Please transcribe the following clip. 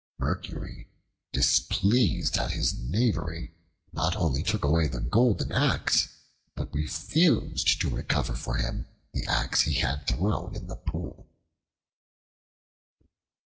Mercury, displeased at his knavery, not only took away the golden axe, but refused to recover for him the axe he had thrown into the pool.